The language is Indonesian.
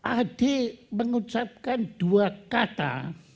adik mengucapkan dua kata